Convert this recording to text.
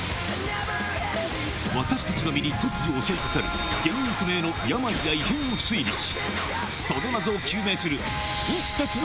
私たちの身に突如襲いかかる原因不明の病や異変を推理し・